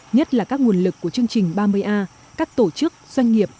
nhất là các nguồn lực của chương trình ba mươi a các tổ chức doanh nghiệp